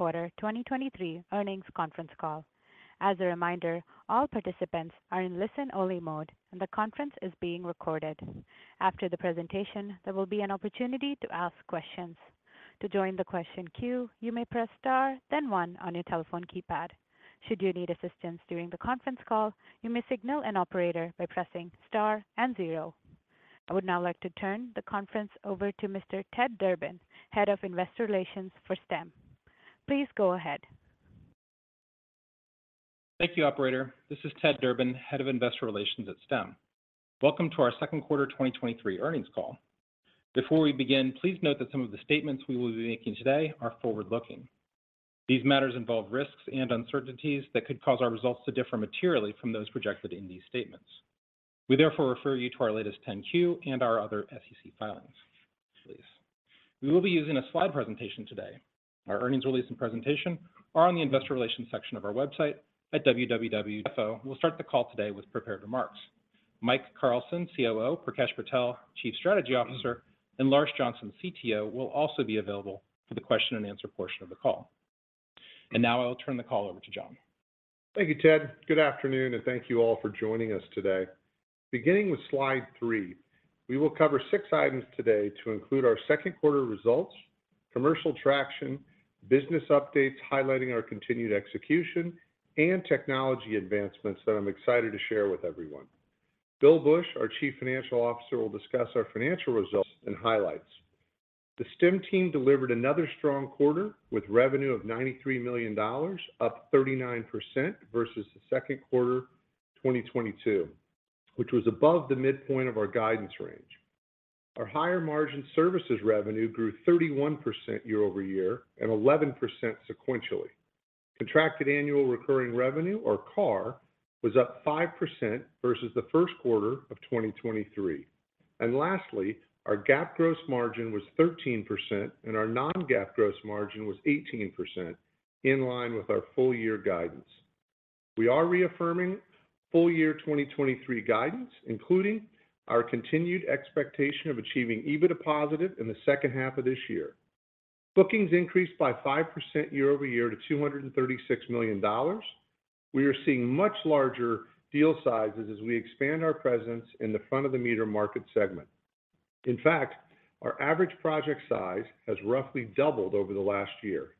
Q2 2023 earnings conference call. As a reminder, all participants are in listen-only mode, and the conference is being recorded. After the presentation, there will be an opportunity to ask questions. To join the question queue, you may press star, then one on your telephone keypad. Should you need assistance during the conference call, you may signal an operator by pressing star and. I would now like to turn the conference over to Mr. Ted Durbin, Head of Investor Relations for Stem. Please go ahead. Thank you, operator. This is Ted Durbin, Head of Investor Relations at Stem. Welcome to our second quarter 2023 earnings call. Before we begin, please note that some of the statements we will be making today are forward-looking. These matters involve risks and uncertainties that could cause our results to differ materially from those projected in these statements. We therefore refer you to our latest Form 10-Q and our other SEC filings, please. We will be using a slide presentation today. Our earnings release and presentation are on the Investor Relations section of our website at www.stem.com. We'll start the call today with prepared remarks. Mike Carlson, COO, Prakesh Patel, Chief Strategy Officer, and Larsh Johnson, CTO, will also be available for the question and answer portion of the call. Now I'll turn the call over to John. Thank you, Ted. Good afternoon, and thank you all for joining us today. Beginning with slide three, we will cover six items today to include our second quarter results, commercial traction, business updates highlighting our continued execution, and technology advancements that I'm excited to share with everyone. Bill Bush, our Chief Financial Officer, will discuss our financial results and highlights. The Stem team delivered another strong quarter with revenue of $93 million, up 39% versus the second quarter 2022, which was above the midpoint of our guidance range. Our higher-margin services revenue grew 31% year-over-year and 11% sequentially. Contracted Annual Recurring Revenue, or CARR, was up 5% versus the first quarter of 2023. Lastly, our GAAP gross margin was 13% and our non-GAAP gross margin was 18%, in line with our full-year guidance. We are reaffirming full-year 2023 guidance, including our continued expectation of achieving EBITDA-positive in the second half of this year. Bookings increased by 5% year-over-year to $236 million. We are seeing much larger deal sizes as we expand our presence in the front-of-the-meter market segment. In fact, our average project size has roughly doubled over the last year.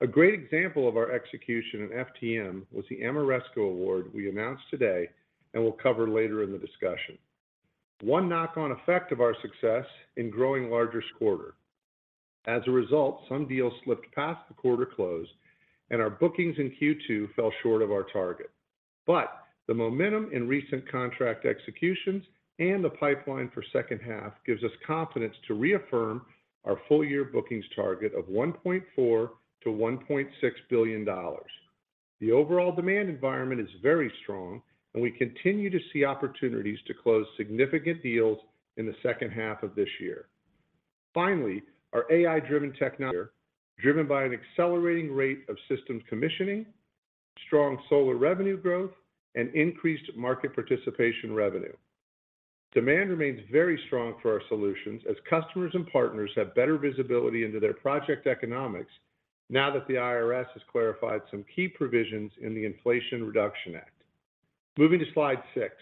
A great example of our execution in FTM was the Ameresco award we announced today and will cover later in the discussion. One knock-on effect of our success in growing larger quarter. As a result, some deals slipped past the quarter close, and our bookings in Q2 fell short of our target. The momentum in recent contract executions and the pipeline for second half gives us confidence to reaffirm our full-year bookings target of $1.4 billion to $1.6 billion. The overall demand environment is very strong, and we continue to see opportunities to close significant deals in the second half of this year. Finally, our AI-driven technology, driven by an accelerating rate of systems commissioning, strong solar revenue growth, and increased market participation revenue. Demand remains very strong for our solutions as customers and partners have better visibility into their project economics now that the IRS has clarified some key provisions in the Inflation Reduction Act. Moving to slide six.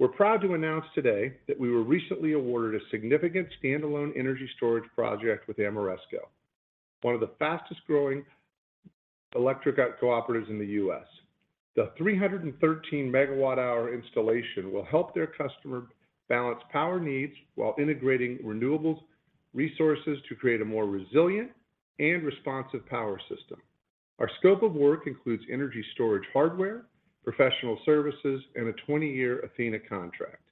We're proud to announce today that we were recently awarded a significant standalone energy storage project with Ameresco, one of the fastest-growing electric cooperatives in the U.S. The 313 MWh installation will help their customer balance power needs while integrating renewable resources to create a more resilient and responsive power system. Our scope of work includes energy storage, hardware, professional services, and a 20-year Athena contract.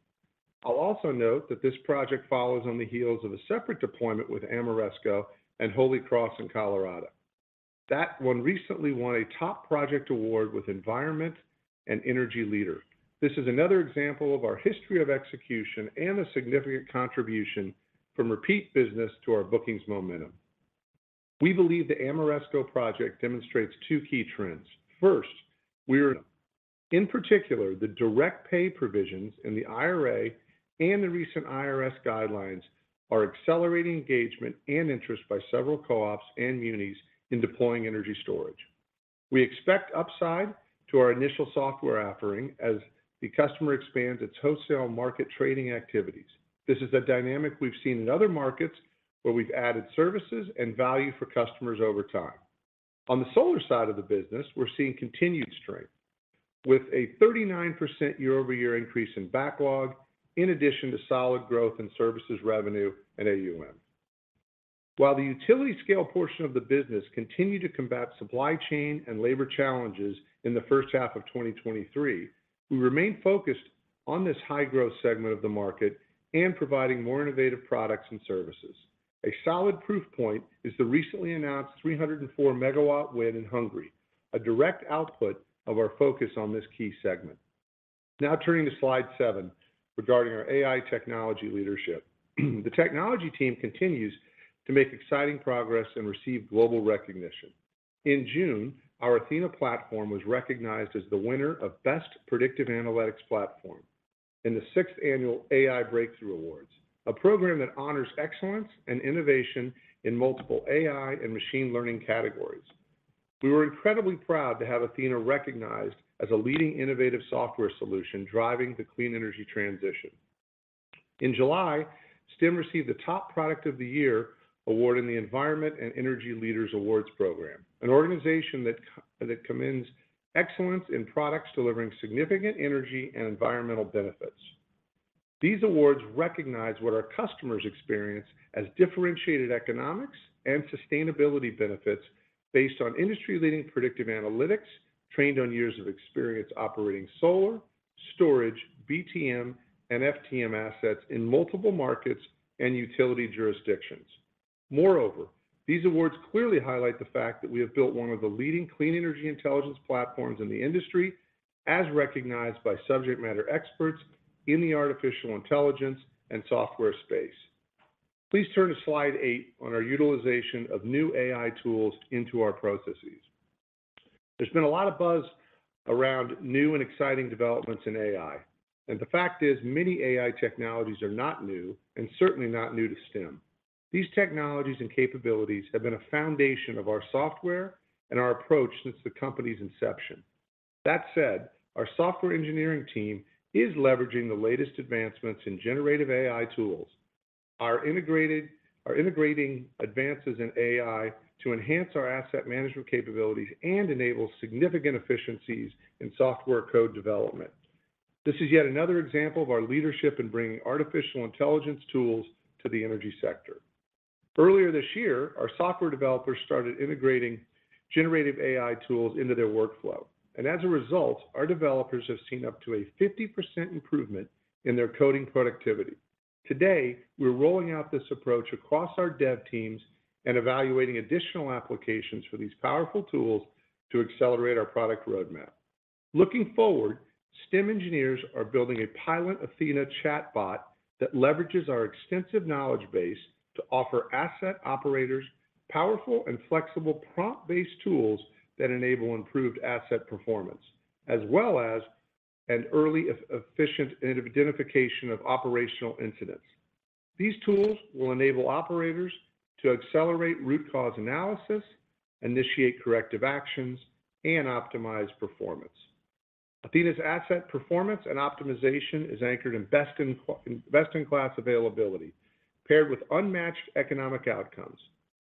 I'll also note that this project follows on the heels of a separate deployment with Ameresco and Holy Cross Energy in Colorado. That one recently won a top project award with Environment+Energy Leader. This is another example of our history of execution and a significant contribution from repeat business to our bookings momentum. We believe the Ameresco project demonstrates two key trends. First, in particular, the direct pay provisions in the IRA and the recent IRS guidelines are accelerating engagement and interest by several co-ops and munis in deploying energy storage. We expect upside to our initial software offering as the customer expands its wholesale market trading activities. This is a dynamic we've seen in other markets, where we've added services and value for customers over time. On the solar side of the business, we're seeing continued strength, with a 39% year-over-year increase in backlog, in addition to solid growth in services revenue and AUM. While the utility-scale portion of the business continued to combat supply chain and labor challenges in the first half of 2023, we remain focused on this high-growth segment of the market and providing more innovative products and services. A solid proof point is the recently announced 304-megawatt win in Hungary, a direct output of our focus on this key segment. Turning to slide seven, regarding our AI technology leadership. The technology team continues to make exciting progress and receive global recognition. In June, our Athena platform was recognized as the winner of Best Predictive Analytics Platform in the sixth annual AI Breakthrough Awards, a program that honors excellence and innovation in multiple AI and machine learning categories. We were incredibly proud to have Athena recognized as a leading innovative software solution, driving the clean energy transition. In July, STEM received the Top Product of the Year award in the Environment+Energy Leader Awards program, an organization that commends excellence in products delivering significant energy and environmental benefits. These awards recognize what our customers experience as differentiated economics and sustainability benefits based on industry-leading predictive analytics, trained on years of experience operating solar, storage, BTM and FTM assets in multiple markets and utility jurisdictions. Moreover, these awards clearly highlight the fact that we have built one of the leading clean energy intelligence platforms in the industry, as recognized by subject matter experts in the artificial intelligence and software space. Please turn to slide eight on our utilization of new AI tools into our processes. There's been a lot of buzz around new and exciting developments in AI, and the fact is, many AI technologies are not new, and certainly not new to Stem. These technologies and capabilities have been a foundation of our software and our approach since the company's inception. That said, our software engineering team is leveraging the latest advancements in generative AI tools, are integrating advances in AI to enhance our asset management capabilities and enable significant efficiencies in software code development. This is yet another example of our leadership in bringing artificial intelligence tools to the energy sector. Earlier this year, our software developers started integrating generative AI tools into their workflow, and as a result, our developers have seen up to a 50% improvement in their coding productivity. Today, we're rolling out this approach across our dev teams and evaluating additional applications for these powerful tools to accelerate our product roadmap. Looking forward, Stem engineers are building a pilot Athena chatbot that leverages our extensive knowledge base to offer asset operators powerful and flexible prompt-based tools that enable improved asset performance, as well as an early efficient identification of operational incidents. These tools will enable operators to accelerate root cause analysis, initiate corrective actions, and optimize performance. Athena's Asset Performance and Optimization is anchored in best-in-class availability, paired with unmatched economic outcomes.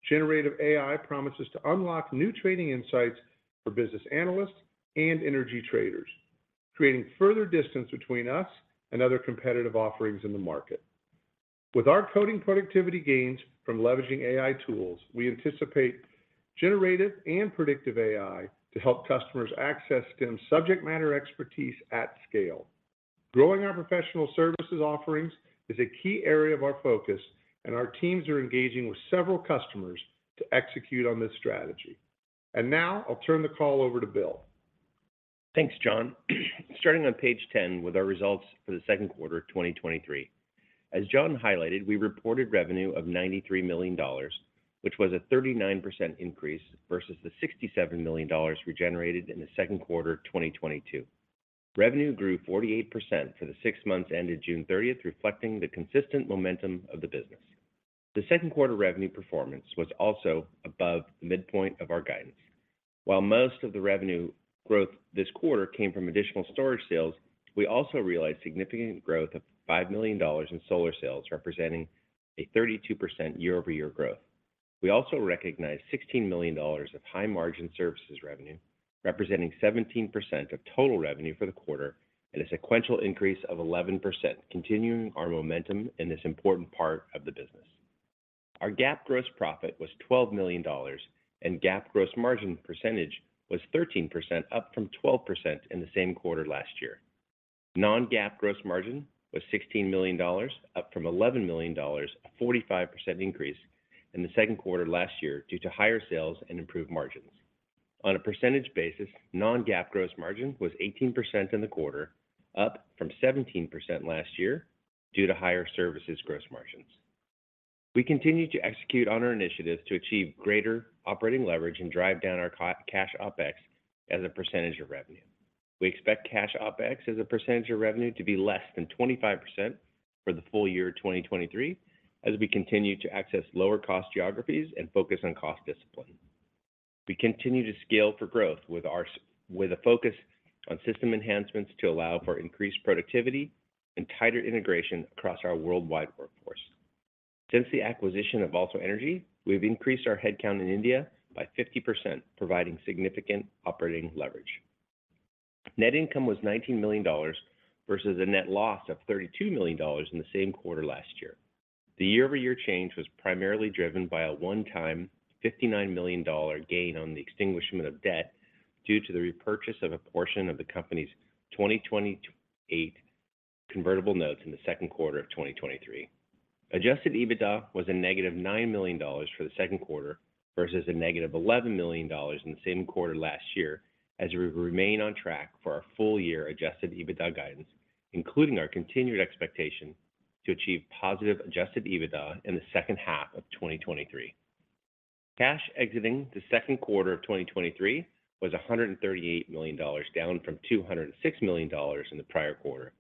Generative AI promises to unlock new trading insights for business analysts and energy traders, creating further distance between us and other competitive offerings in the market. With our coding productivity gains from leveraging AI tools, we anticipate generative and predictive AI to help customers access Stem subject matter expertise at scale. Growing our professional services offerings is a key area of our focus. Our teams are engaging with several customers to execute on this strategy. Now I'll turn the call over to Bill. Thanks, John. Starting on page 10 with our results for the second quarter of 2023. As John highlighted, we reported revenue of $93 million, which was a 39% increase versus the $67 million we generated in the second quarter of 2022. Revenue grew 48% for the six months ended June 30th, reflecting the consistent momentum of the business. The second quarter revenue performance was also above the midpoint of our guidance. While most of the revenue growth this quarter came from additional storage sales, we also realized significant growth of $5 million in solar sales, representing a 32% year-over-year growth. We also recognized $16 million of high margin services revenue, representing 17% of total revenue for the quarter and a sequential increase of 11%, continuing our momentum in this important part of the business. Our GAAP gross profit was $12 million, and GAAP gross margin percentage was 13%, up from 12% in the same quarter last year. non-GAAP gross margin was $16 million, up from $11 million, a 45% increase in the second quarter last year due to higher sales and improved margins. On a percentage basis, non-GAAP gross margin was 18% in the quarter, up from 17% last year due to higher services gross margins. We continue to execute on our initiatives to achieve greater operating leverage and drive down our cash OpEx as a percentage of revenue. We expect cash OpEx as a percentage of revenue to be less than 25% for the full-year 2023, as we continue to access lower cost geographies and focus on cost discipline. We continue to scale for growth with our. with a focus on system enhancements to allow for increased productivity and tighter integration across our worldwide workforce. Since the acquisition of AlsoEnergy, we've increased our headcount in India by 50%, providing significant operating leverage. Net income was $19 million, versus a net loss of $32 million in the same quarter last year. The year-over-year change was primarily driven by a one-time $59 million gain on the extinguishment of debt due to the repurchase of a portion of the company's 2028 convertible notes in the second quarter of 2023. Adjusted EBITDA was a negative $9 million for the second quarter, versus a negative $11 million in the same quarter last year, as we remain on track for our full-year adjusted EBITDA guidance, including our continued expectation to achieve positive adjusted EBITDA in the second half of 2023. Cash exiting the second quarter of 2023 was $138 million, down from $206 million in the prior quarter.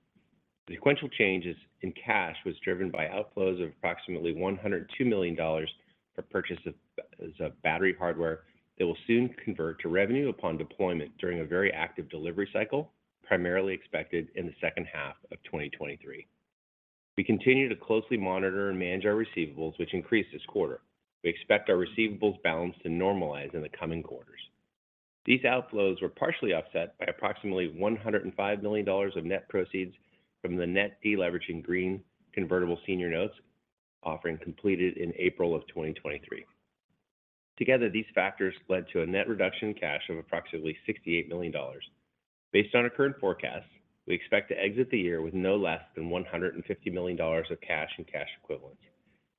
The sequential changes in cash was driven by outflows of approximately $102 million for purchases of battery hardware that will soon convert to revenue upon deployment during a very active delivery cycle, primarily expected in the second half of 2023. We continue to closely monitor and manage our receivables, which increased this quarter. We expect our receivables balance to normalize in the coming quarters. These outflows were partially offset by approximately $105 million of net proceeds from the net deleveraging green convertible senior notes, offering completed in April of 2023. Together, these factors led to a net reduction in cash of approximately $68 million. Based on our current forecast, we expect to exit the year with no less than $150 million of cash and cash equivalents.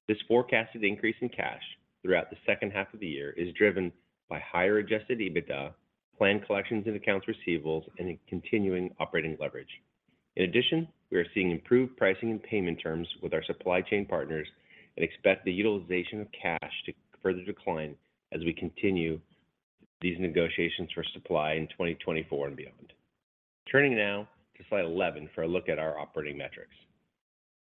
This forecasted increase in cash throughout the second half of the year is driven by higher adjusted EBITDA, planned collections and accounts receivables, and in continuing operating leverage. We are seeing improved pricing and payment terms with our supply chain partners and expect the utilization of cash to further decline as we continue these negotiations for supply in 2024 and beyond. Turning now to slide 11 for a look at our operating metrics.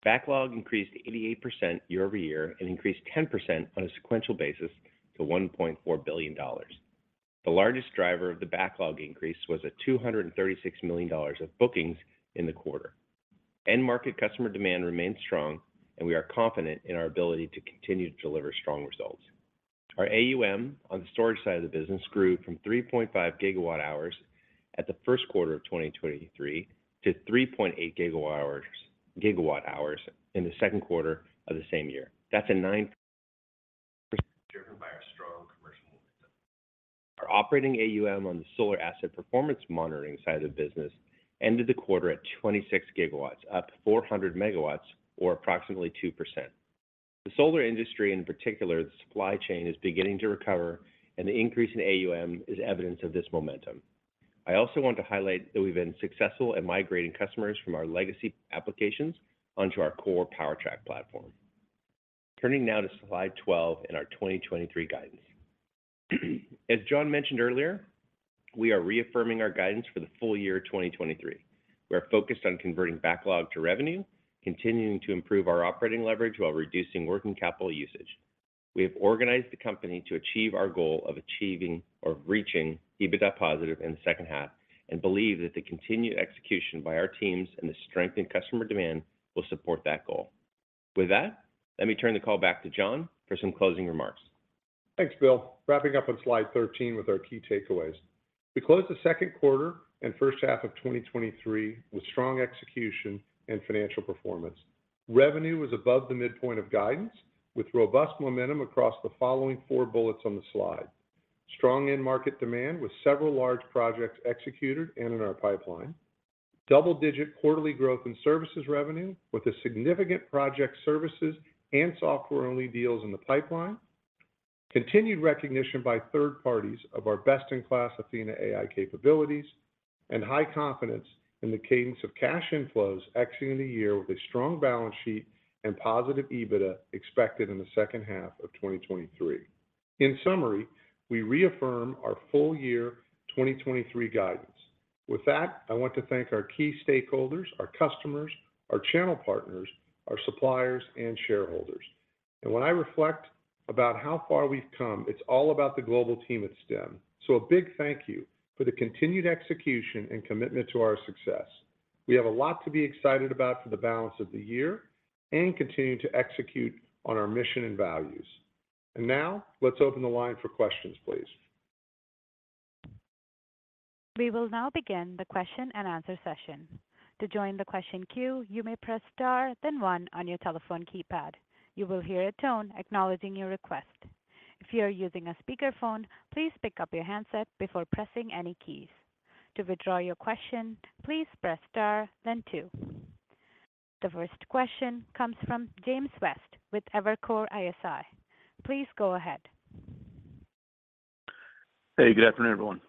Backlog increased 88% year-over-year and increased 10% on a sequential basis to $1.4 billion. The largest driver of the backlog increase was a $236 million of bookings in the quarter. End market customer demand remains strong, and we are confident in our ability to continue to deliver strong results. Our AUM on the storage side of the business grew from 3.5 GWh at Q1 2023 to 3.8 GWh in the Q2 of the same year. That's a nine, driven by our strong commercial momentum. Our operating AUM on the solar asset performance monitoring side of the business ended the quarter at 26 GW, up 400 MW, or approximately 2%. The solar industry, in particular, the supply chain, is beginning to recover, and the increase in AUM is evidence of this momentum. I also want to highlight that we've been successful at migrating customers from our legacy applications onto our core PowerTrack platform. Turning now to slide 12 and our 2023 guidance. As John mentioned earlier, we are reaffirming our guidance for the full-year 2023. We are focused on converting backlog to revenue, continuing to improve our operating leverage while reducing working capital usage. We have organized the company to achieve our goal of achieving or reaching EBITDA-positive in the second half, believe that the continued execution by our teams and the strength in customer demand will support that goal. With that, let me turn the call back to John for some closing remarks. Thanks, Bill. Wrapping up on slide 13 with our key takeaways. We closed the second quarter and first half of 2023 with strong execution and financial performance. Revenue was above the midpoint of guidance, with robust momentum across the following four bullets on the slide: strong end market demand, with several large projects executed and in our pipeline; double-digit quarterly growth in services revenue, with a significant project services and software-only deals in the pipeline; continued recognition by third parties of our best-in-class Athena AI capabilities; and high confidence in the cadence of cash inflows, exiting the year with a strong balance sheet and positive EBITDA expected in the second half of 2023. In summary, we reaffirm our full-year 2023 guidance. With that, I want to thank our key stakeholders, our customers, our channel partners, our suppliers, and shareholders. When I reflect about how far we've come, it's all about the global team at Stem. A big thank you for the continued execution and commitment to our success. We have a lot to be excited about for the balance of the year and continuing to execute on our mission and values. Now, let's open the line for questions, please. We will now begin the question-and-answer session. To join the question queue, you may press star then one on your telephone keypad. You will hear a tone acknowledging your request. If you are using a speakerphone, please pick up your handset before pressing any keys. To withdraw your question, please press star then two. The first question comes from James West with Evercore ISI. Please go ahead. Hey, good afternoon, everyone.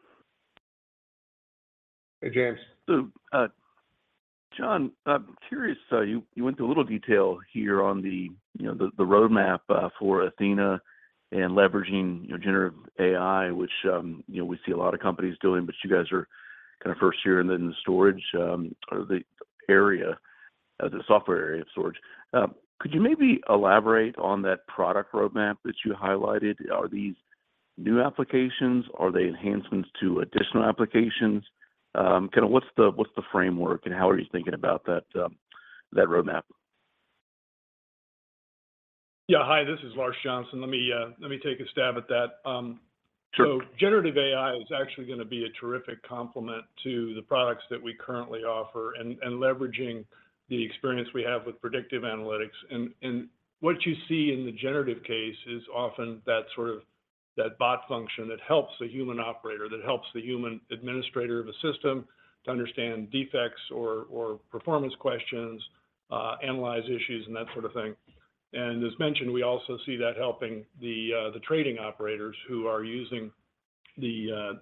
Hey, James. John, I'm curious, you, you went through a little detail here on the, you know, the, the roadmap for Athena and leveraging, you know, Generative AI, which, you know, we see a lot of companies doing, but you guys are kind of first here and then in the storage, or the area. The software area of storage. Could you maybe elaborate on that product roadmap that you highlighted? Are these new applications? Are they enhancements to additional applications? Kind of what's the, what's the framework, and how are you thinking about that, that roadmap? Yeah. Hi, this is Larsh Johnson. Let me, let me take a stab at that. Sure. Generative AI is actually going to be a terrific complement to the products that we currently offer and leveraging the experience we have with predictive analytics. What you see in the generative case is often that sort of that bot function that helps the human operator, that helps the human administrator of a system to understand defects or performance questions, analyze issues, and that sort of thing. As mentioned, we also see that helping the trading operators who are using the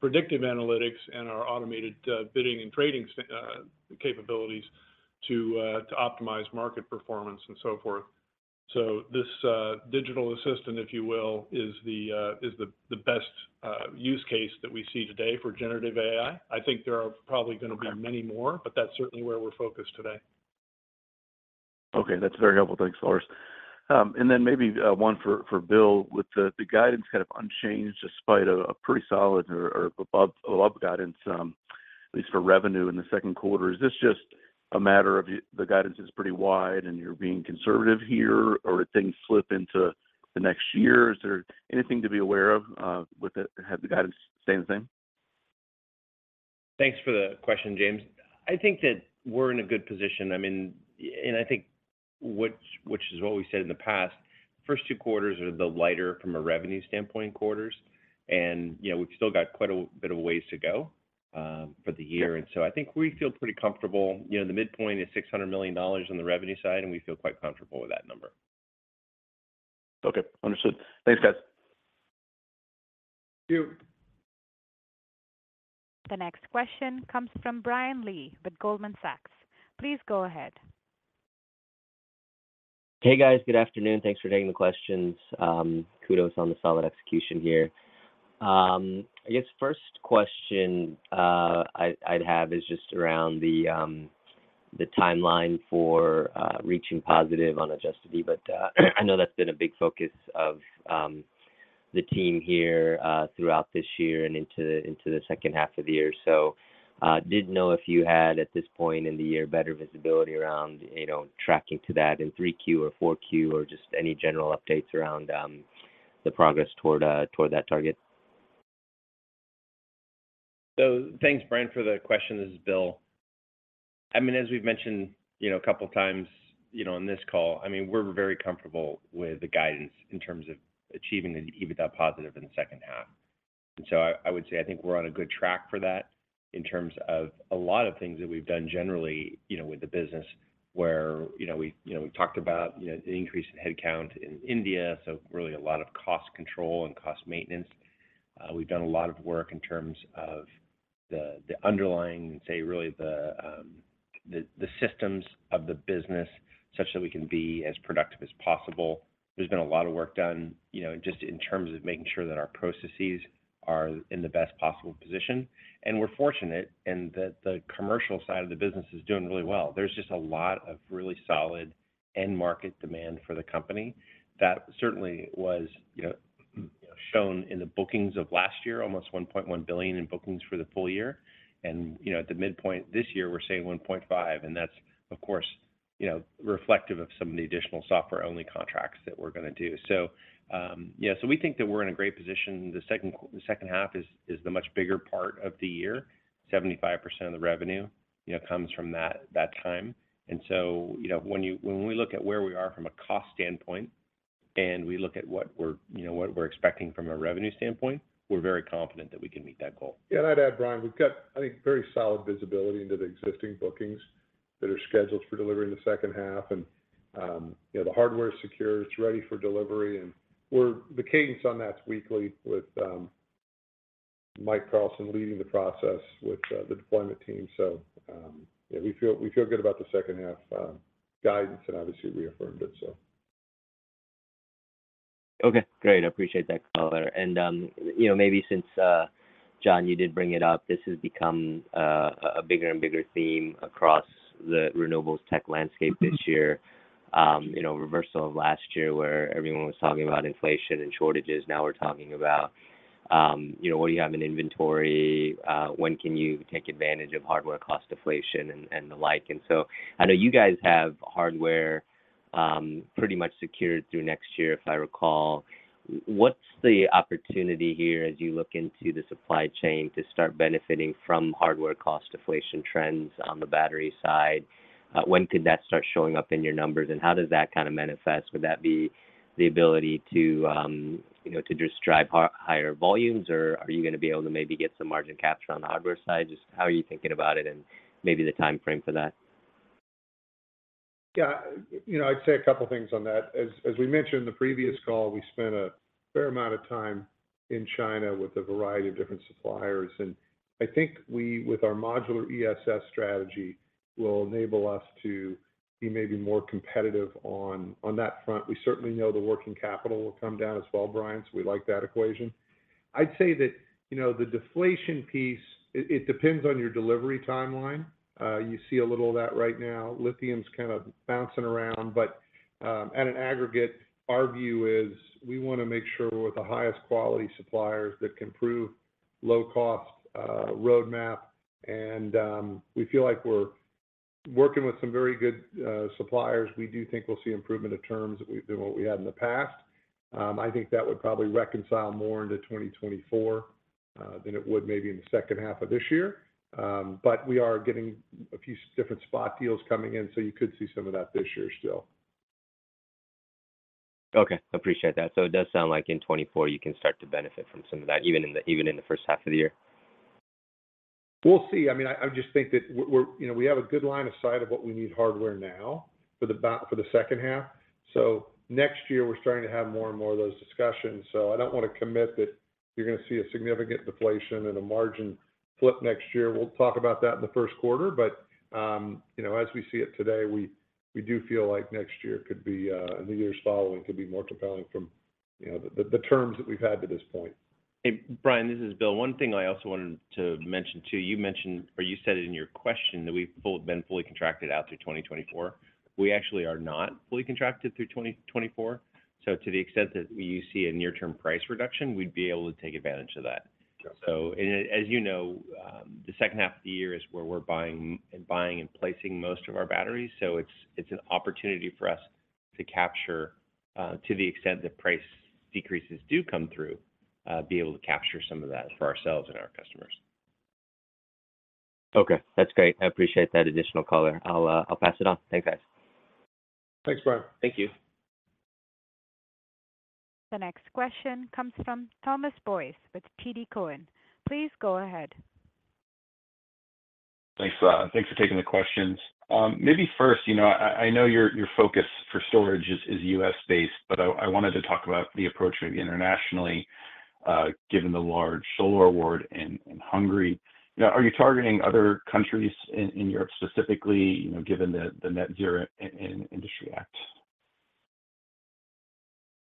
predictive analytics and our automated bidding and trading capabilities to optimize market performance and so forth. This digital assistant, if you will, is the best use case that we see today for Generative AI. I think there are probably going to be many more, but that's certainly where we're focused today. Okay, that's very helpful. Thanks, Larsh Johnson. Then maybe, one for Bill Bush. With the guidance kind of unchanged, despite a pretty solid or above guidance, at least for revenue in the second quarter, is this just a matter of the guidance is pretty wide, and you're being conservative here, or did things slip into the next year? Is there anything to be aware of, with the guidance stay the same? Thanks for the question, James. I think that we're in a good position. I mean, I think which, which is what we said in the past, first two quarters are the lighter from a revenue standpoint quarters. You know, we've still got quite a bit of ways to go for the year. I think we feel pretty comfortable. You know, the midpoint is $600 million on the revenue side, and we feel quite comfortable with that number. Okay. Understood. Thanks, guys. Thank you. The next question comes from Brian Lee with Goldman Sachs. Please go ahead. Hey, guys. Good afternoon. Thanks for taking the questions. Kudos on the solid execution here. I guess first question, I'd have is just around the timeline for reaching positive on adjusted EBITDA. I know that's been a big focus of the team here throughout this year and into the second half of the year. Didn't know if you had, at this point in the year, better visibility around, you know, tracking to that in 3Q or 4Q, or just any general updates around the progress toward that target? Thanks, Brian, for the question. This is Bill. As we've mentioned, you know, a couple of times, you know, on this call, I mean, we're very comfortable with the guidance in terms of achieving the EBITDA-positive in the second half. I, I would say I think we're on a good track for that in terms of a lot of things that we've done generally, you know, with the business, where, you know, we, you know, we've talked about, you know, the increase in headcount in India, so really a lot of cost control and cost maintenance. We've done a lot of work in terms of the, the underlying, say, really the, the systems of the business, such that we can be as productive as possible. There's been a lot of work done, you know, just in terms of making sure that our processes are in the best possible position. We're fortunate in that the commercial side of the business is doing really well. There's just a lot of really solid end-market demand for the company. That certainly was, you know, shown in the bookings of last year, almost $1.1 billion in bookings for the full year. At the midpoint this year, we're saying $1.5 billion, and that's, of course, you know, reflective of some of the additional software-only contracts that we're going to do. We think that we're in a great position. The second half is the much bigger part of the year. 75% of the revenue, you know, comes from that, that time. So, you know, when we look at where we are from a cost standpoint, and we look at what we're, you know, what we're expecting from a revenue standpoint, we're very confident that we can meet that goal. Yeah, and I'd add, Brian, we've got, I think, very solid visibility into the existing bookings that are scheduled for delivery in the second half. You know, the hardware is secure, it's ready for delivery, and the cadence on that's weekly withh, Mike Carlson leading the process with, the deployment team. Yeah, we feel, we feel good about the second half, guidance, and obviously we affirmed it, so. Okay, great. I appreciate that color. You know, maybe since John, you did bring it up, this has become a bigger and bigger theme across the renewables tech landscape this year. You know, reversal of last year, where everyone was talking about inflation and shortages, now we're talking about, you know, what do you have in inventory? When can you take advantage of hardware cost deflation and the like? So I know you guys have hardware pretty much secured through next year, if I recall. What's the opportunity here as you look into the supply chain to start benefiting from hardware cost deflation trends on the battery side? When could that start showing up in your numbers, and how does that kind of manifest? Would that be the ability to, you know, to just drive higher volumes, or are you going to be able to maybe get some margin capture on the hardware side? Just how are you thinking about it and maybe the timeframe for that? Yeah, you know, I'd say a couple of things on that. As, as we mentioned in the previous call, we spent a fair amount of time in China with a variety of different suppliers, and I think we, with our modular ESS strategy, will enable us to be maybe more competitive on, on that front. We certainly know the working capital will come down as well, Brian, so we like that equation. I'd say that, you know, the deflation piece, it, it depends on your delivery timeline. You see a little of that right now. Lithium's kind of bouncing around, but, at an aggregate, our view is we want to make sure we're the highest quality suppliers that can prove low cost roadmap, and we feel like we're working with some very good suppliers. We do think we'll see improvement of terms than we, than what we had in the past. I think that would probably reconcile more into 2024 than it would maybe in the second half of the year. We are getting a few different spot deals coming in, so you could see some of that this year still. Okay, appreciate that. It does sound like in 2024 you can start to benefit from some of that, even in the, even in the first half of the year? We'll see. I mean, I, I just think that we're, you know, we have a good line of sight of what we need hardware now for the second half. Next year, we're starting to have more and more of those discussions. I don't want to commit that you're gonna see a significant deflation and a margin flip next year. We'll talk about that in the first quarter, you know, as we see it today, we, we do feel like next year could be, and the years following, could be more compelling from, you know, the, the, the terms that we've had to this point. Hey, Brian, this is Bill. One thing I also wanted to mention, too, you mentioned, or you said it in your question, that we've been fully contracted out through 2024. We actually are not fully contracted through 2024. To the extent that you see a near-term price reduction, we'd be able to take advantage of that. Yeah. As you know, the second half of the year is where we're buying and buying and placing most of our batteries, so it's an opportunity for us to capture, to the extent that price decreases do come through, be able to capture some of that for ourselves and our customers. Okay, that's great. I appreciate that additional color. I'll pass it on. Thanks, guys. Thanks, Brian. Thank you. The next question comes from Thomas Boyes with TD Cowen. Please go ahead. Thanks, thanks for taking the questions. Maybe first, you know, I, I know your, your focus for storage is, is US-based, but I, I wanted to talk about the approach maybe internationally, given the large solar award in, in Hungary. Now, are you targeting other countries in, in Europe specifically, you know, given the, the Net-Zero Industry Act?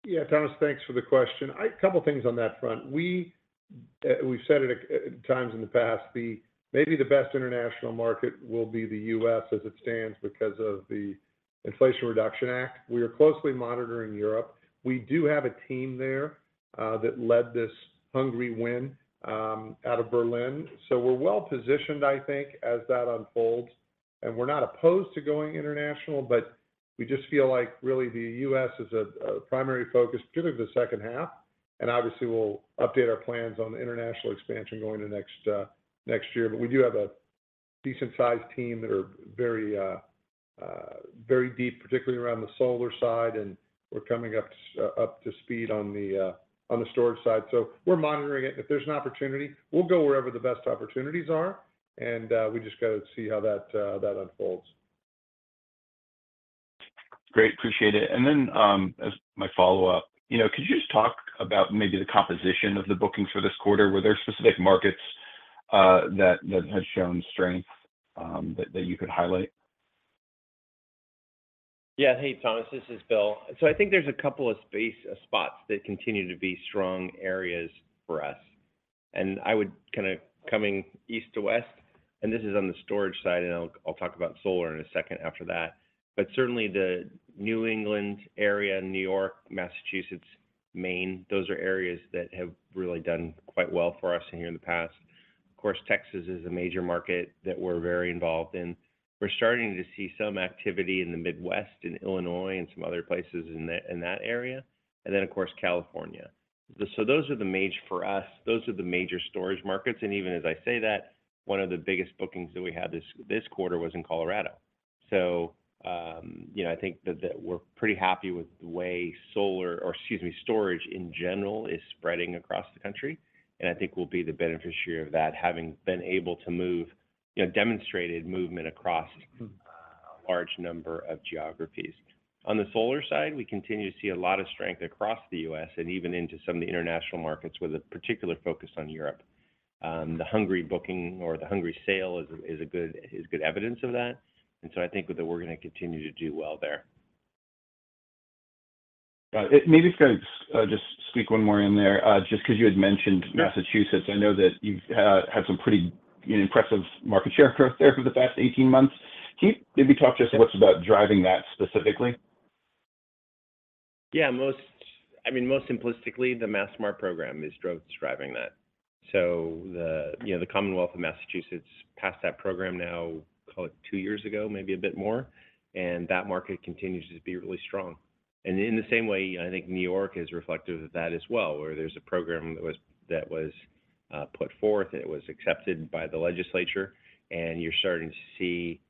Yeah, Thomas, thanks for the question. Couple things on that front. We, we've said it times in the past, maybe the best international market will be the US as it stands because of the Inflation Reduction Act. We are closely monitoring Europe. We do have a team there, that led this Hungary win, out of Berlin, so we're well positioned, I think, as that unfolds. We're not opposed to going international, but we just feel like really the US is our primary focus, particularly the second half. Obviously, we'll update our plans on the international expansion going to next year. We do have a decent-sized team that are very, very deep, particularly around the solar side, and we're coming up to speed on the, on the storage side. We're monitoring it, and if there's an opportunity, we'll go wherever the best opportunities are, and we just got to see how that that unfolds. Great. Appreciate it. Then, as my follow-up, you know, could you just talk about maybe the composition of the bookings for this quarter? Were there specific markets that had shown strength, that you could highlight? Yeah. Hey, Thomas, this is Bill. I think there's a couple of space spots that continue to be strong areas for us, and I would kind of coming east to west, and this is on the storage side, and I'll talk about solar in a second after that. Certainly, the New England area, New York, Massachusetts, Maine, those are areas that have really done quite well for us in here in the past. Of course, Texas is a major market that we're very involved in. We're starting to see some activity in the Midwest, in Illinois and some other places in that, in that area, and then, of course, California. Those are the major for us, those are the major storage markets, and even as I say that, one of the biggest bookings that we had this, this quarter was in Colorado. you know, I think that, that we're pretty happy with the way solar, or excuse me, storage, in general, is spreading across the country, and I think we'll be the beneficiary of that, having been able to move, you know, demonstrated movement across a large number of geographies. On the solar side, we continue to see a lot of strength across the US and even into some of the international markets, with a particular focus on Europe. The Hungary booking or the Hungary sale is a, is a good- is good evidence of that, I think that we're gonna continue to do well there. Maybe if I could, just squeak one more in there, just 'cause you had mentioned. Yeah. Massachusetts. I know that you've had some pretty impressive market share growth there for the past 18 months. Can you maybe talk to us what's about driving that specifically? Yeah, most, I mean, most simplistically, the Mass SMART program is driving that. The, you know, the Commonwealth of Massachusetts passed that program now, call it two years ago, maybe a bit more, and that market continues to be really strong. In the same way, I think New York is reflective of that as well, where there's a program that was put forth, and it was accepted by the legislature, and you're starting to see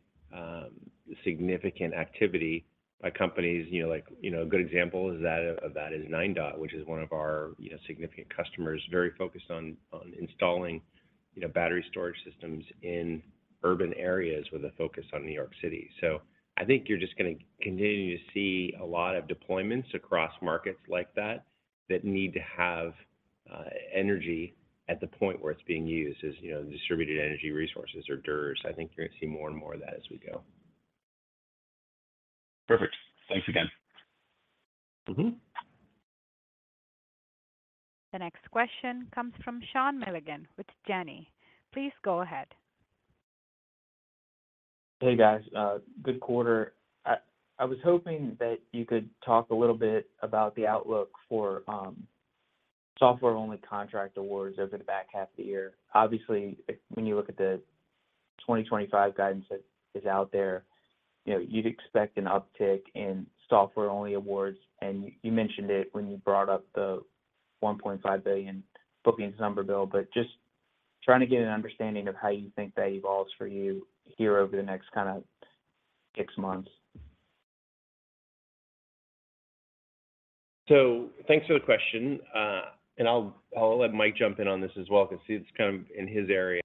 significant activity by companies, you know, like, you know, a good example is of that is NineDot, which is one of our, you know, significant customers, very focused on installing, you know, battery storage systems in urban areas with a focus on New York City. I think you're just gonna continue to see a lot of deployments across markets like that, that need to have energy at the point where it's being used as, you know, distributed energy resources or DERs. I think you're gonna see more and more of that as we go. Perfect. Thanks again. Mm-hmm. The next question comes from Sean Milligan with Janney. Please go ahead. Hey, guys. good quarter. I, I was hoping that you could talk a little bit about the outlook for software-only contract awards over the back half of the year. Obviously, when you look at the 2025 guidance that is out there, you know, you'd expect an uptick in software-only awards, and you mentioned it when you brought up the $1.5 billion bookings number, Bill, but just trying to get an understanding of how you think that evolves for you here over the next kind of six months? Thanks for the question. And I'll, I'll let Mike jump in on this as well, 'cause it's kind of in his area.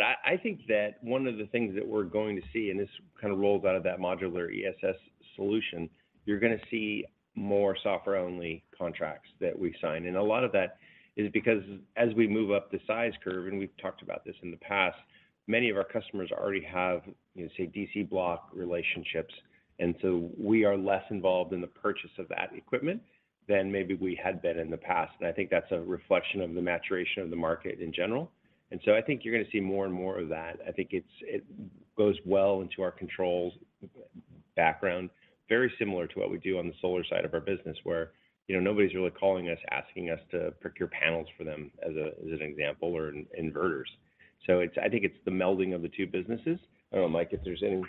I, I think that one of the things that we're going to see, and this kind of rolls out of that modular ESS solution, you're gonna see more software-only contracts that we sign. A lot of that is because as we move up the size curve, and we've talked about this in the past, many of our customers already have, you know, say, DC block relationships, and so we are less involved in the purchase of that equipment than maybe we had been in the past. I think that's a reflection of the maturation of the market in general, and so I think you're gonna see more and more of that. I think it goes well into our controls background, very similar to what we do on the solar side of our business, where, you know, nobody's really calling us, asking us to procure panels for them, as an example, or inverters. I think it's the melding of the two businesses. I don't know, Mike, if there's any.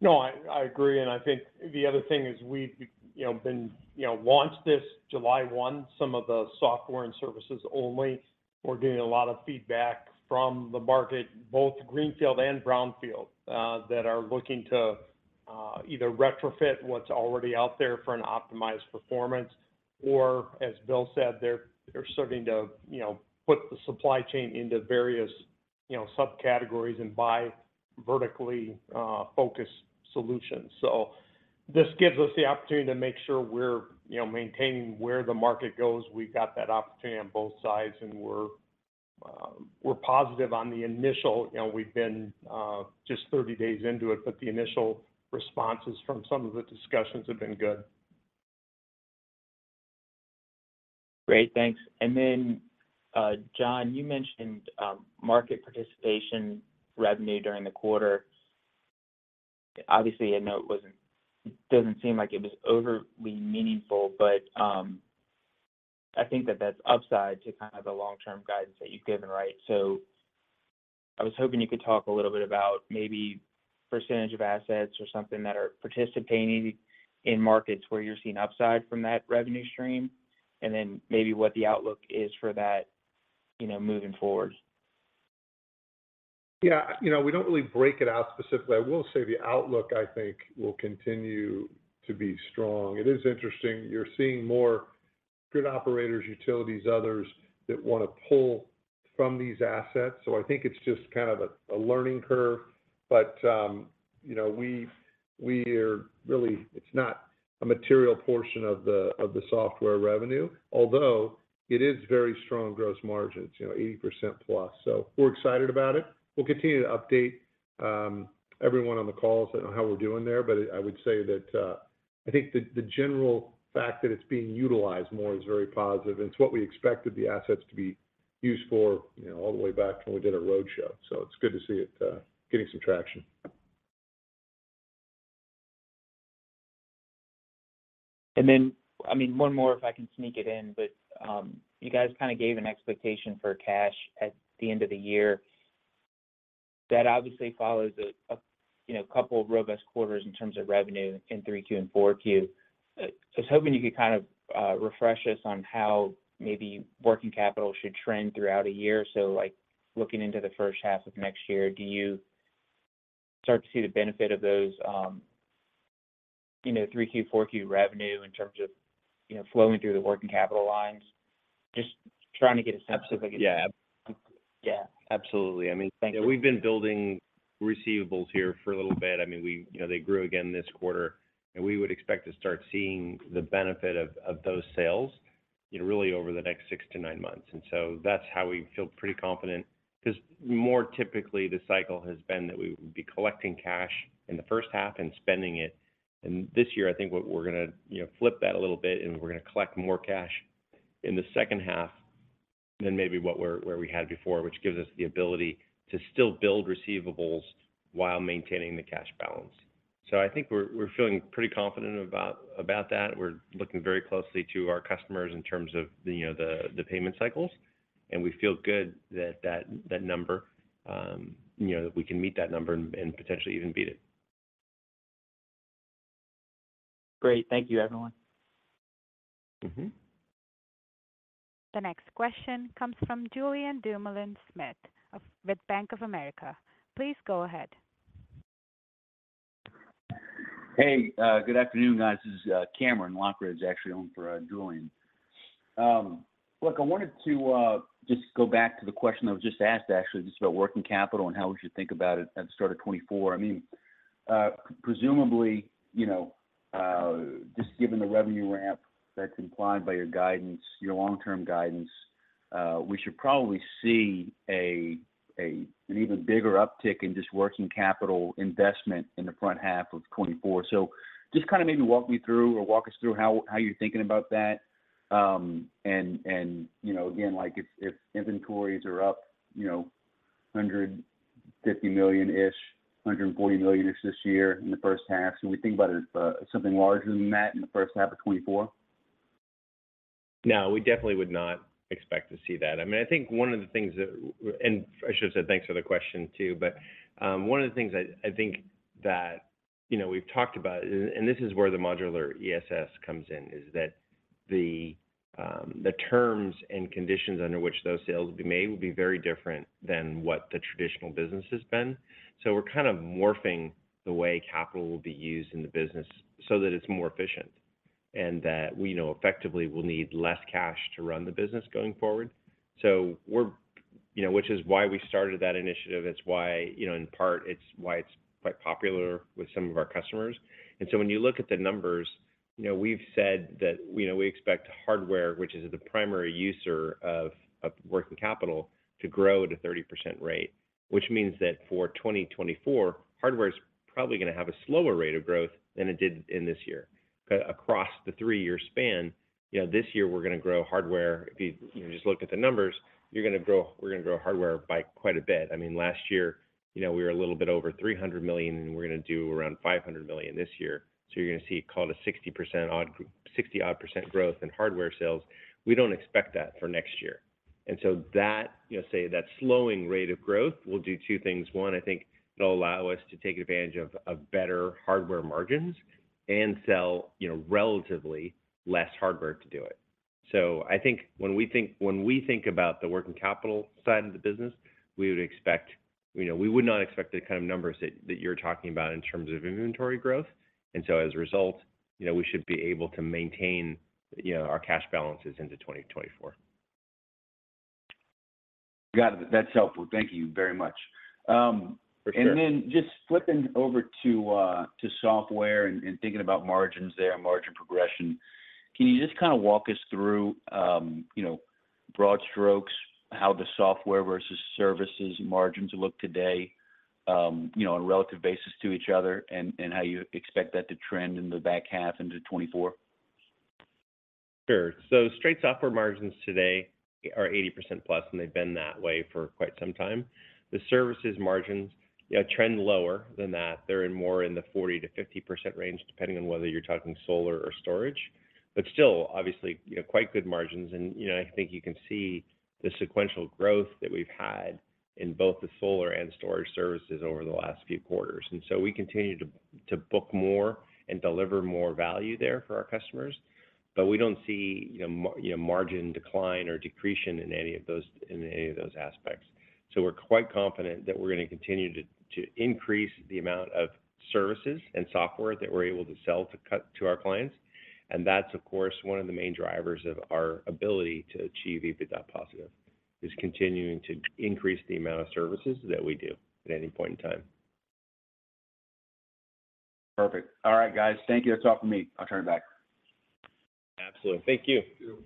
No, I, I agree, and I think the other thing is we've, you know, been, you know, launched this July 1, some of the software and services only. We're getting a lot of feedback from the market, both greenfield and brownfield, that are looking to either retrofit what's already out there for an optimized performance, or, as Bill said, they're, they're starting to, you know, put the supply chain into various, you know, subcategories and buy vertically focused solutions. This gives us the opportunity to make sure we're, you know, maintaining where the market goes. We've got that opportunity on both sides, and we're positive on the initial. You know, we've been just 30 days into it, but the initial responses from some of the discussions have been good. Great, thanks. Then, John, you mentioned market participation revenue during the quarter. Obviously, I know it doesn't seem like it was overly meaningful, but I think that that's upside to kind of the long-term guidance that you've given, right? I was hoping you could talk a little bit about maybe percentage of assets or something that are participating in markets where you're seeing upside from that revenue stream, and then maybe what the outlook is for that, you know, moving forward? Yeah, you know, we don't really break it out specifically. I will say the outlook, I think, will continue to be strong. It is interesting, you're seeing more grid operators, utilities, others, that want to pull from these assets. I think it's just kind of a, a learning curve. You know, it's not a material portion of the software revenue, although it is very strong gross margins, you know, 80%+. We're excited about it. We'll continue to update everyone on the calls on how we're doing there. I would say that I think the general fact that it's being utilized more is very positive, and it's what we expected the assets to be used for, you know, all the way back when we did our roadshow. It's good to see it, getting some traction. I mean, one more, if I can sneak it in, but, you guys kind of gave an expectation for cash at the end of the year. That obviously follows a, a, you know, couple of robust quarters in terms of revenue in Q3 and Q4. I was hoping you could kind of refresh us on how maybe working capital should trend throughout a year. Like, looking into the first half of next year, do you start to see the benefit of those, you know, Q3, Q4 revenue in terms of, you know, flowing through the working capital lines? Just trying to get a sense of like. Yeah. Yeah. Absolutely. I mean. Thank you. Yeah, we've been building receivables here for a little bit. I mean, You know, they grew again this quarter. We would expect to start seeing the benefit of, of those sales, you know, really over the next six to nine months. That's how we feel pretty confident, 'cause more typically, the cycle has been that we would be collecting cash in the first half and spending it. This year, I think what we're gonna, you know, flip that a little bit, and we're gonna collect more cash in the second half than maybe where we had before, which gives us the ability to still build receivables while maintaining the cash balance. I think we're, we're feeling pretty confident about, about that. We're looking very closely to our customers in terms of the, you know, the, the payment cycles, and we feel good that that, that number, you know, that we can meet that number and, and potentially even beat it. Great. Thank you, everyone. Mm-hmm. The next question comes from Julian Dumoulin-Smith with Bank of America. Please go ahead. Hey, good afternoon, guys. This is Cameron Lockridge actually on for Julian. Look, I wanted to just go back to the question that was just asked, actually, just about working capital and how we should think about it at the start of 2024. I mean, presumably, you know, just given the revenue ramp that's implied by your guidance, your long-term guidance, we should probably see an even bigger uptick in just working capital investment in the front half of 2024. Just kind of maybe walk me through or walk us through how, how you're thinking about that. You know, again, like if, if inventories are up, you know, $150 million-ish, $140 million-ish this year in the first half, should we think about it as, something larger than that in the first half of 2024? No, we definitely would not expect to see that. I mean, I think one of the things that. I should have said thanks for the question, too. One of the things I think that, you know, we've talked about, and this is where the modular ESS comes in, is that the terms and conditions under which those sales will be made will be very different than what the traditional business has been. We're kind of morphing the way capital will be used in the business so that it's more efficient, and that we know effectively we'll need less cash to run the business going forward. We're, you know, which is why we started that initiative. It's why, you know, in part, it's why it's quite popular with some of our customers. When you look at the numbers, you know, we've said that, you know, we expect hardware, which is the primary user of working capital, to grow at a 30% rate, which means that for 2024, hardware is probably gonna have a slower rate of growth than it did in this year. Across the three-year span, you know, this year we're gonna grow hardware. If you, you know, just look at the numbers, we're gonna grow hardware by quite a bit. I mean, last year, you know, we were a little bit over $300 million, and we're gonna do around $500 million this year. You're gonna see call it a 60 odd % growth in hardware sales. We don't expect that for next year. That, you know, say, that slowing rate of growth will do two things: One, I think it'll allow us to take advantage of better hardware margins and sell, you know, relatively less hardware to do it. I think when we think about the working capital side of the business, we would expect, you know, we would not expect the kind of numbers that you're talking about in terms of inventory growth. As a result, you know, we should be able to maintain, you know, our cash balances into 2024. Got it. That's helpful. Thank you very much. For sure. Then just flipping over to software and thinking about margins there and margin progression, can you just kind of walk us through, you know, broad strokes, how the software versus services margins look today, you know, on a relative basis to each other, and how you expect that to trend in the back half into 2024? Straight software margins today are 80% plus, and they've been that way for quite some time. The services margins, yeah, trend lower than that. They're in more in the 40%-50% range, depending on whether you're talking solar or storage. Still, obviously, you know, quite good margins. You know, I think you can see the sequential growth that we've had in both the solar and storage services over the last few quarters. We continue to, to book more and deliver more value there for our customers, but we don't see, you know, margin decline or decrease in any of those, in any of those aspects. We're quite confident that we're gonna continue to, to increase the amount of services and software that we're able to sell to our clients. That's, of course, one of the main drivers of our ability to achieve EBITDA-positive, is continuing to increase the amount of services that we do at any point in time. Perfect. All right, guys. Thank you. That's all for me. I'll turn it back. Absolutely. Thank you. Thank you.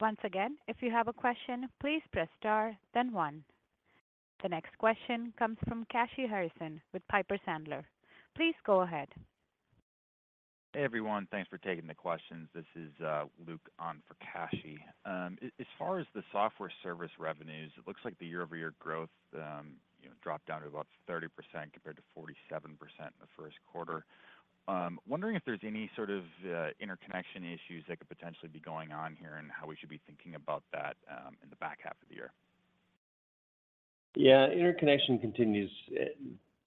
Once again, if you have a question, please press star, then one. The next question comes from Kashy Harrison with Piper Sandler. Please go ahead. Hey, everyone. Thanks for taking the questions. This is Luke on for Kashi. As far as the software service revenues, it looks like the year-over-year growth, you know, dropped down to about 30% compared to 47% in the first quarter. Wondering if there's any sort of interconnection issues that could potentially be going on here and how we should be thinking about that in the back half of the year? Yeah, interconnection continues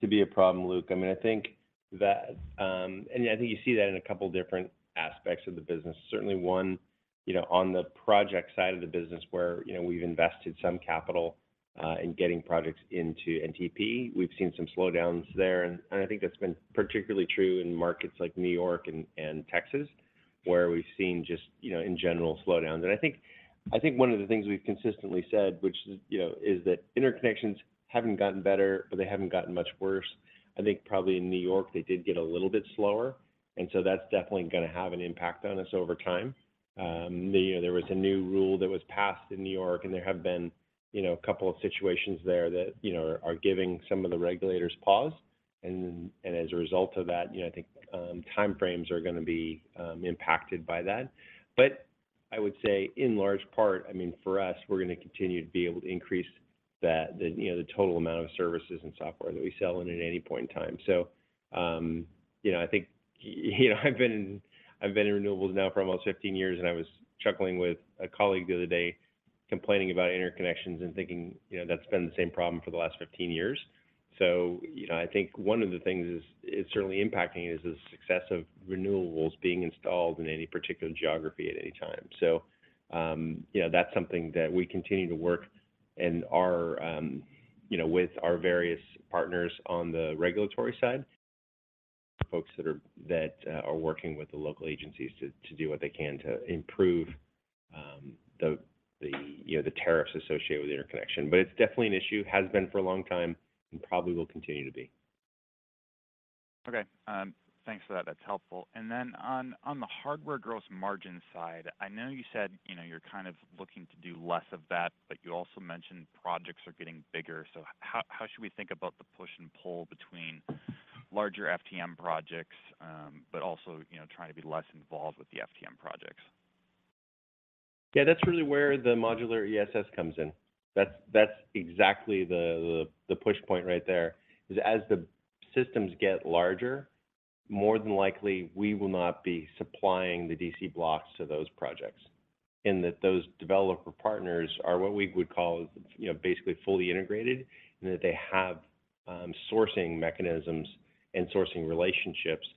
to be a problem, Luke. I mean, I think that, yeah, I think you see that in a couple different aspects of the business. Certainly one, you know, on the project side of the business where, you know, we've invested some capital in getting projects into NTP. We've seen some slowdowns there, I think that's been particularly true in markets like New York and Texas, where we've seen just, you know, in general, slowdowns. I think, I think one of the things we've consistently said, which is, you know, is that interconnections haven't gotten better, but they haven't gotten much worse. I think probably in New York, they did get a little bit slower, so that's definitely gonna have an impact on us over time. You know, there was a new rule that was passed in New York, and there have been, you know, a couple of situations there that, you know, are giving some of the regulators pause. As a result of that, you know, I think, time frames are gonna be impacted by that. I would say in large part, I mean, for us, we're gonna continue to be able to increase the, the, you know, the total amount of services and software that we sell in at any point in time. you know, I think, you know, I've been, I've been in renewables now for almost 15 years, and I was chuckling with a colleague the other day, complaining about interconnections and thinking, you know, that's been the same problem for the last 15 years. You know, I think one of the things is, it's certainly impacting is the success of renewables being installed in any particular geography at any time. You know, that's something that we continue to work and are, you know, with our various partners on the regulatory side, folks that are working with the local agencies to, to do what they can to improve, the, the, you know, the tariffs associated with interconnection. It's definitely an issue, has been for a long time, and probably will continue to be. Okay. thanks for that. That's helpful. On, on the hardware gross margin side, I know you said, you know, you're kind of looking to do less of that, but you also mentioned projects are getting bigger. How, how should we think about the push and pull between larger FTM projects, but also, you know, trying to be less involved with the FTM projects? Yeah, that's really where the modular ESS comes in. That's, that's exactly the push point right there, is as the systems get larger, more than likely we will not be supplying the DC blocks to those projects. in that those developer partners are what we would call, you know, basically fully integrated, and that they have sourcing mechanisms and sourcing relationships.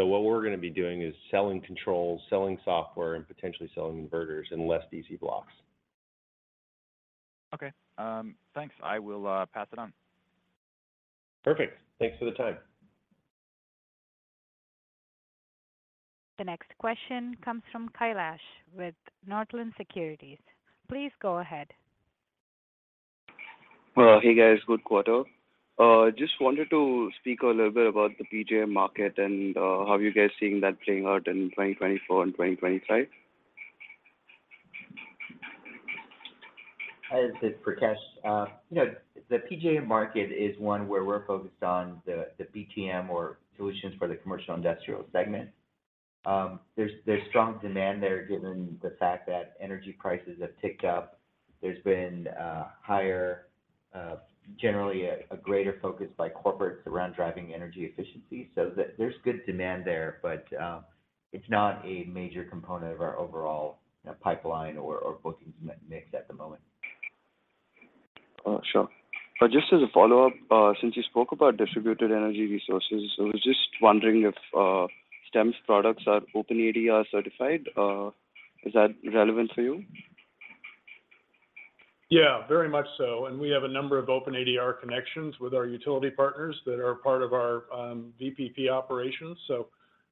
What we're going to be doing is selling controls, selling software, and potentially selling inverters and less DC blocks. Okay. thanks. I will pass it on. Perfect. Thanks for the time. The next question comes from Kailash with Northland Securities. Please go ahead. Well, hey, guys, good quarter. Just wanted to speak a little bit about the PJM market and, how are you guys seeing that playing out in 2024 and 2025? Hi, this is Prakash. you know, the PJM market is one where we're focused on the BTM or solutions for the commercial industrial segment. there's strong demand there, given the fact that energy prices have ticked up. There's been higher, generally a greater focus by corporates around driving energy efficiency. there's good demand there, but it's not a major component of our overall pipeline or bookings mix at the moment. Sure. Just as a follow-up, since you spoke about distributed energy resources, I was just wondering if Stem's products are OpenADR certified, is that relevant for you? Yeah, very much so. We have a number of OpenADR connections with our utility partners that are part of our VPP operations.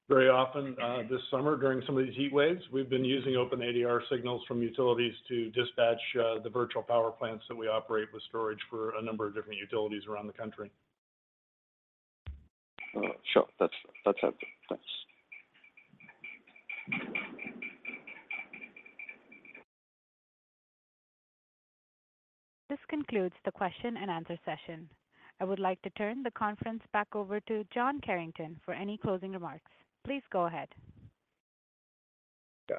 Very often, this summer, during some of these heat waves, we've been using OpenADR signals from utilities to dispatch the virtual power plants that we operate with storage for a number of different utilities around the country. Sure. That's, that's helpful. Thanks. This concludes the question and answer session. I would like to turn the conference back over to John Carrington for any closing remarks. Please go ahead.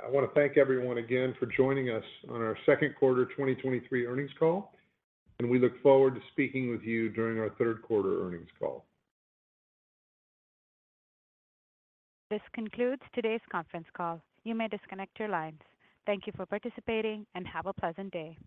I want to thank everyone again for joining us on our second quarter 2023 earnings call, and we look forward to speaking with you during our third quarter earnings call. This concludes today's conference call. You may disconnect your lines. Thank you for participating, and have a pleasant day.